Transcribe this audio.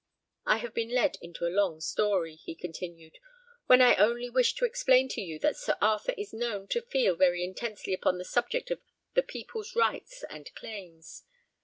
I have been led into a long story," he continued, "when I only wished to explain to you that Sir Arthur is known to feel very intensely upon the subject of the people's rights and claims.